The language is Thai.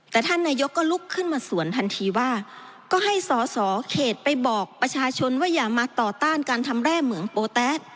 แต่ท่านนายกก็ลุกขึ้นมาสวนทันทีว่าก็ให้สอสอเขตไปบอกประชาชนว่าอย่ามาต่อต้านการทำแร่เหมืองโปแต๊ะ